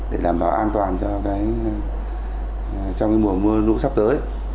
để làm bảo an toàn cho cái trong cái mùa mưa sắp tới